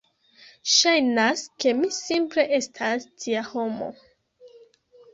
Ŝajnas, ke mi simple estas tia homo.